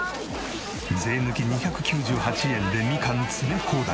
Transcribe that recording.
税抜き２９８円でみかん詰め放題。